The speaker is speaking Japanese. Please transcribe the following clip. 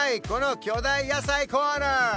この巨大野菜コーナー！